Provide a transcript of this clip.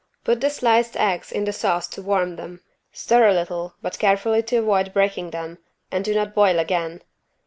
Put the sliced eggs in the sauce to warm them, stir a little, but carefully to avoid breaking them, and do not boil again.